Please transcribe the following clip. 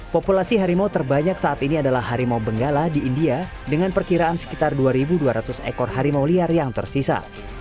populasi harimau terbanyak saat ini adalah harimau benggala di india dengan perkiraan sekitar dua dua ratus ekor harimau liar yang tersisa